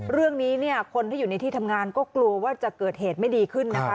เรื่องนี้เนี่ยคนที่อยู่ในที่ทำงานก็กลัวว่าจะเกิดเหตุไม่ดีขึ้นนะคะ